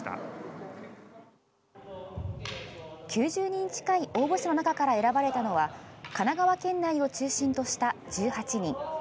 ９０人近い応募者の中から選ばれたのは神奈川県内を中心とした１８人。